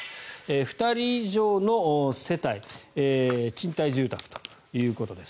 ２人以上の世帯賃貸住宅ということです。